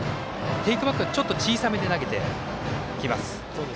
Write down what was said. テイクバックがちょっと小さめに投げてきます。